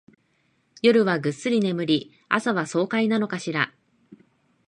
夜はぐっすり眠り、朝は爽快なのかしら